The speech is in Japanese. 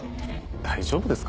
大丈夫ですか？